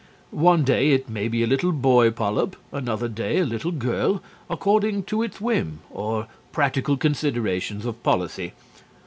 One day it may be a little boy polyp, another day a little girl, according to its whim or practical considerations of policy.